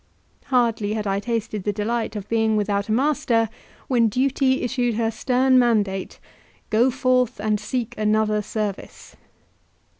Hardly had I tasted the delight of being without a master when duty issued her stern mandate: "Go forth and seek another service."